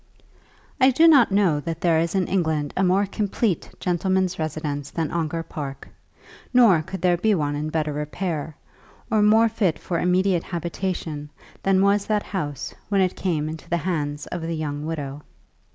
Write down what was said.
I do not know that there is in England a more complete gentleman's residence than Ongar Park, nor could there be one in better repair, or more fit for immediate habitation than was that house when it came into the hands of the young widow.